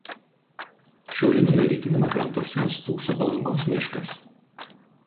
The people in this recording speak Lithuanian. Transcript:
Šiauriniame ir rytiniame krantuose stūkso Palangos miškas.